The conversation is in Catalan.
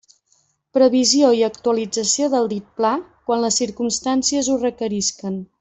Revisió i actualització del dit pla quan les circumstàncies ho requerisquen.